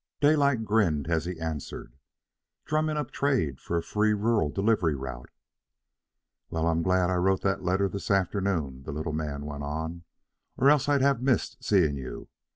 Daylight grinned as he answered, "Drumming up trade for a free rural delivery route." "Well, I'm glad I wrote that letter this afternoon," the little man went on, "or else I'd have missed seeing you.